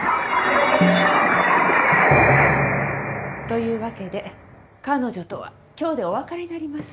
・・というわけで彼女とは今日でお別れになります。